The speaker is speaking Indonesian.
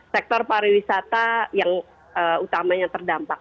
sektor pariwisata yang utamanya terdampak